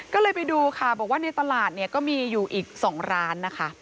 ก็เลยไปดูค่ะบอกว่าในตลาดเนี่ยก็มีอยู่อีก๒ร้านนะคะ